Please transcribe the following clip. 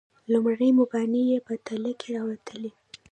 لومړني مباني یې په تله کې راوتلي.